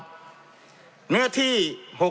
จำนวนเนื้อที่ดินทั้งหมด๑๒๒๐๐๐ไร่